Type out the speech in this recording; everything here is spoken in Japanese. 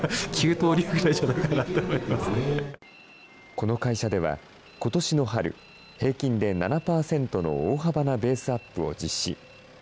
この会社では、ことしの春、平均で７％の大幅なベースアップを実施。